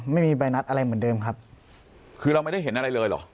ไม่มีใบนัดอะไรเหมือนเดิมครับคือเราไม่ได้เห็นอะไรเลยเหรอ